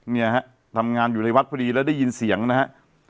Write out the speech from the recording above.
เนี่ยฮะทำงานอยู่ในวัดพอดีแล้วได้ยินเสียงนะฮะ